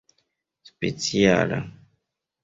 speciala